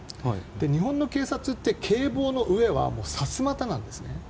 日本の警察って警棒の上はさすまたなんですね。